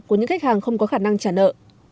của những khách hàng không có khả năng trả nợ